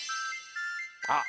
あっ！